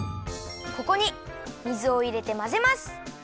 ここに水をいれてまぜます。